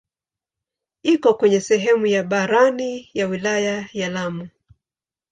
Iko kwenye sehemu ya barani ya wilaya ya Lamu.